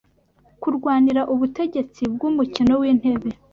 kurwanira ubutegetsi bw’umukino wintebe